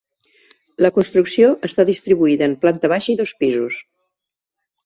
La construcció està distribuïda en planta baixa i dos pisos.